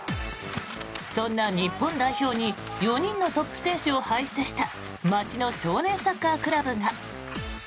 そんな日本代表に４人のトップ選手を輩出した街の少年サッカークラブが。